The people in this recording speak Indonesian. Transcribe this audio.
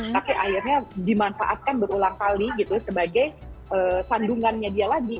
tapi akhirnya dimanfaatkan berulang kali gitu sebagai sandungannya dia lagi